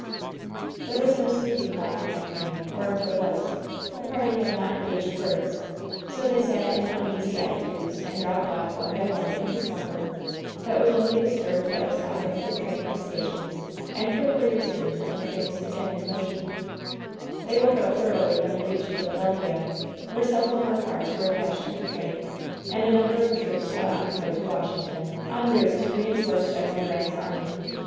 70 WHEN SHADOWS DIE There was no sleeping car on that tram, or if there was, the party had not engaged berths, so they sat in un easy attitudes, and dropped off, one by one, into slumber, that was only disturbed by the stopping of the train at the stations, and quickly resumed when the train was again in motion* They woke up thoroughly when they reached Phila delphia, where several more cars were attached to the train, and a number of troops got on to go to Washing ton, en route to reinforce Gen. Grant's army.